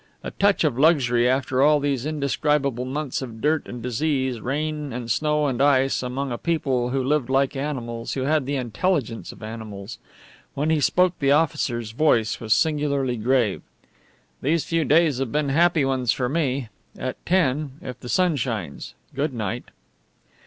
A touch of luxury, after all these indescribable months of dirt and disease, rain and snow and ice, among a people who lived like animals, who had the intelligence of animals. When he spoke the officer's voice was singularly grave: "These few days have been very happy ones for me. At ten if the sun shines. Good night."